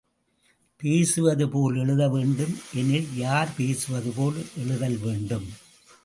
பேசுவதுபோல் எழுத வேண்டும் எனில், யார் பேசுவது போல் எழுதல் வேண்டும்.